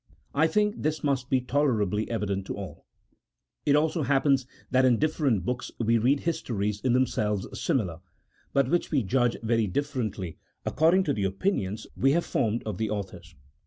I think this must be tolerably evident to all. It often happens that in different books we read his tories in themselves similar, but which we judge very •differently, according to the opinions we have formed of the authors.